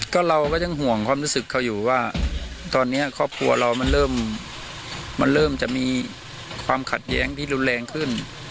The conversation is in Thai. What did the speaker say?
ก็เราก็ยังห่วงความรู้สึกเขาอยู่ว่าตอนนี้ครอบครัวเรามันเริ่มมันเริ่มจะมีความขัดแย้งที่รุนแรงขึ้น